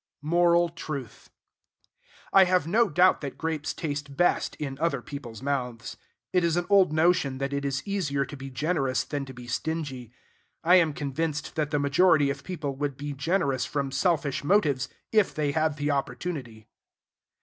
Moral Truth. I have no doubt that grapes taste best in other people's mouths. It is an old notion that it is easier to be generous than to be stingy. I am convinced that the majority of people would be generous from selfish motives, if they had the opportunity.